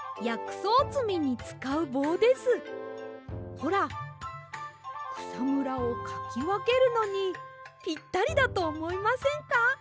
ほらくさむらをかきわけるのにぴったりだとおもいませんか？